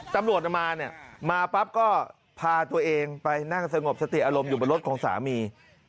ตำรวจมาเนี่ยมาปั๊บก็พาตัวเองไปนั่งสงบสติอารมณ์อยู่บนรถของสามี